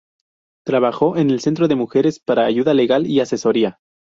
Trabajó en el Centro de Mujeres para ayuda legal y asesoría.